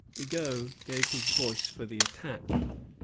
Bigot gave his voice for the attack.